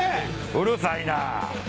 うるさいな！